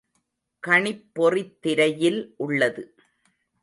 கணிப்பொறித் திரையில் உள்ளது.